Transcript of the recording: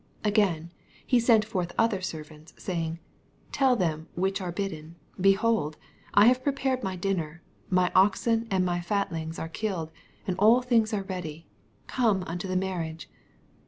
4 Again^ he sent forth other ser Tants, saving. Tell them which are I idden. Behold, I have prepared my uisner : my oxen and m^ &tlings are killed, and all things are ready : come unto the marriage.